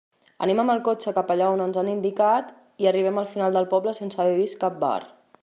Anem amb el cotxe cap allà on ens han indicat i arribem al final del poble sense haver vist cap bar.